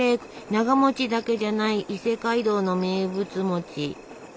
ながだけじゃない伊勢街道の名物。